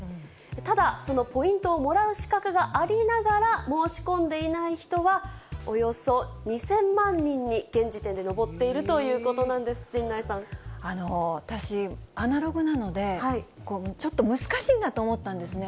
ただ、そのポイントをもらう資格がありながら、申し込んでいない人は、およそ２０００万人に、現時点で上っているということな私、アナログなので、ちょっと難しいなと思ったんですね。